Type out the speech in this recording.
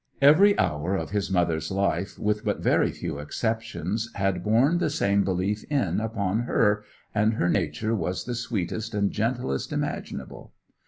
Every hour of his mother's life, with but very few exceptions, had borne the same belief in upon her, and her nature was the sweetest and gentlest imaginable.